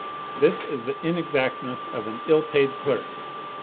This is the inexactness of an ill paid clerk.